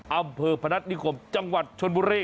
อำเภอพนัฐนิคมจังหวัดชนบุรี